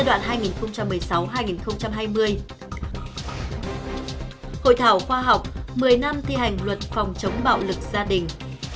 hội thảo khoa học một mươi năm thi hành luật phòng chống bạo lực gia đình